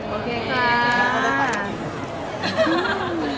โอเคค่าาา